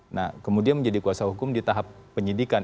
nah kemudian menjadi kuasa hukum di tahap penyidikan